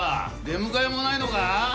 出迎えもないのか？